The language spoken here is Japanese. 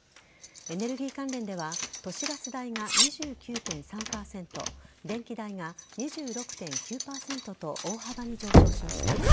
エネルギー関連では都市ガス代が２９．３％電気代が２６．９％と大幅に上昇しました。